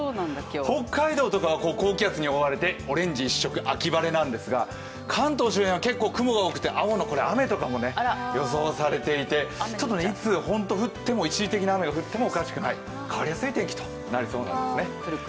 北海道とかは高気圧に覆われてオレンジ一色、秋晴れなんですが、関東周辺は雲が多くて青の雨とかも予想されていてちょっといつ、一時的な雨が降ってもおかしくない変わりやすい天気となりそうなんですね。